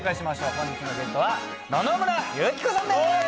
本日のゲストは野々村友紀子さんです。